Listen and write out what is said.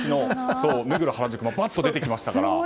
目黒原宿も出てきましたから。